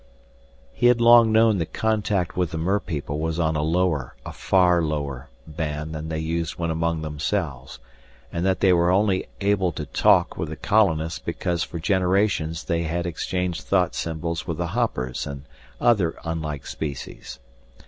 He had long known that contact with the merpeople was on a lower, a far lower, band than they used when among themselves, and that they were only able to "talk" with the colonists because for generations they had exchanged thought symbols with the hoppers and other unlike species.